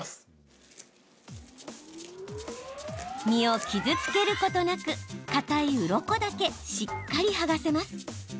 身を傷つけることなくかたいうろこだけしっかり剥がせます。